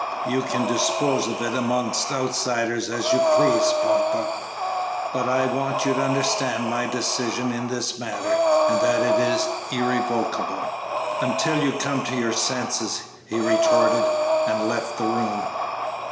"You can dispose of it among outsiders as you please, papa, but I want you to understand my decision in this matter, and that it is irrevocable." "Until you come to your senses!" he retorted, and left the room.